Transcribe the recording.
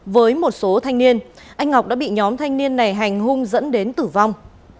với một số thanh niên anh ngọc đã bị nhóm thanh niên này hành hung dẫn đến tử vong